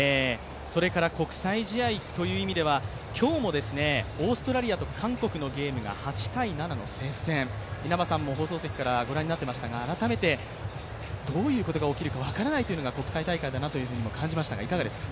それから国際試合という意味では、今日もオーストラリアと韓国のゲームが８−７の接戦、稲葉さんも放送席からご覧になっていましたが改めてどういうことが起きるか分からないというのが国際大会と感じましたが、いかがですか？